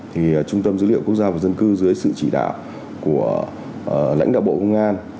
thì trung tâm dữ liệu quốc gia và dân cư dưới sự chỉ đạo của lãnh đạo bộ công an